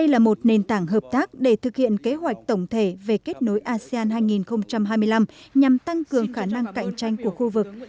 là một nền tảng hợp tác để thực hiện kế hoạch tổng thể về kết nối asean hai nghìn hai mươi năm nhằm tăng cường khả năng cạnh tranh của khu vực